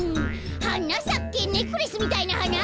「はなさけネックレスみたいなはな」